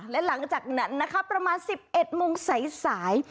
และหลังจากนั้นนะคะประมาณ๑๑โมงสาย